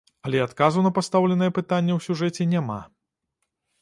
Але адказу на пастаўленае пытанне ў сюжэце няма.